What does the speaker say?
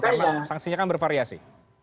karena sanksinya kan bervariasi